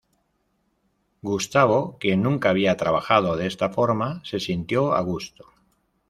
Gustavo, quien nunca había trabajado de esta forma, se sintió a gusto.